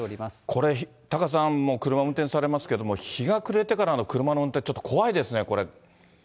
これ、タカさんも車運転されますけれども、日が暮れてからの車の運転、ちょっと怖いですね、これ。